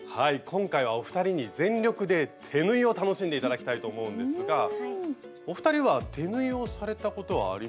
今回はお二人に全力で手縫いを楽しんでいただきたいと思うんですがお二人は手縫いをされたことはありますか？